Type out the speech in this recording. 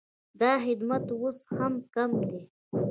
دا خدمت اوس هم کم دی